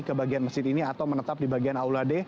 ke bagian masjid ini atau menetap di bagian aulade